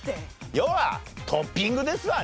要はトッピングですわね